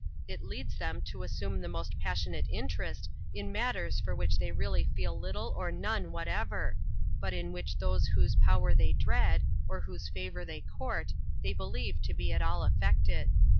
It leads them to assume the most passionate interest in matters for which they really feel little or none whatever, but in which those whose power they dread, or whose favour they court, they believe to be at all afiected.